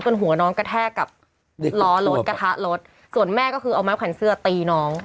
ต้นหัวน้องกระแทกกับรอรถกระทะรถส่วนแม่ก็คือเอามาบขันเซอร์ตีน้อง